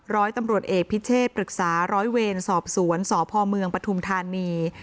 ร้อยตำรวจเอกพิเชษปรึกษาร้อยเวรสอบสวนสพเมืองปฐุมธานี